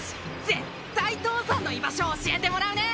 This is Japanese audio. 絶対父さんの居場所教えてもらうね！